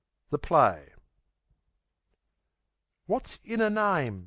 The Play "Wots in a name?"